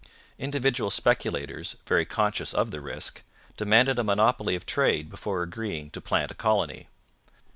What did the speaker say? Individual speculators, very conscious of the risk, demanded a monopoly of trade before agreeing to plant a colony.